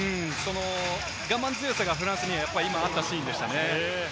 我慢強さがフランスにはあったシーンでしたね。